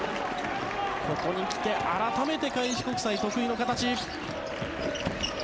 ここに来て改めて開志国際、得意の形。